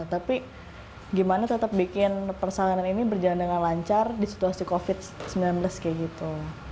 tapi gimana tetap bikin persalinan ini berjalan dengan lancar di situasi covid sembilan belas kayak gitu